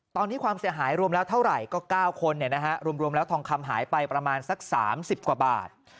ตอนนี้ความเสียหายรวมแล้วเท่าไหร่ก็๙คนรวมแล้วทองคำหายไปประมาณสัก๓๐กว่าบาท